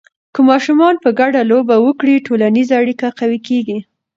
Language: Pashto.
که ماشومان په ګډه لوبې وکړي، ټولنیزه اړیکه قوي کېږي.